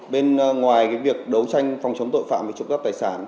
bên ngoài việc đấu tranh phòng chống tội phạm và trộm cắp tài sản